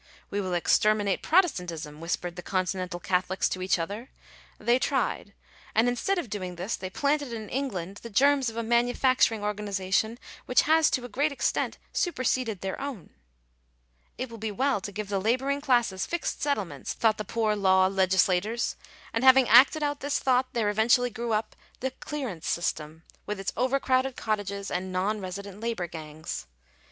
"We will exterminate Protestantism/' whispered the continental Catholics to each other : they tried ; and instead of doing this they planted in England the germs of a manufacturing organization which has to a great extent su perseded their own. "It will be well to give the labouring classes fixed settlements " thought the Poor Law legislators ; and having acted out this thought there eventually grew up the clearance system, with its overcrowded cottages, and non resident labour gangs.